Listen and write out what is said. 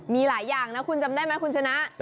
มีหลายอย่างนะคุณจำได้ไหมคุณชนะ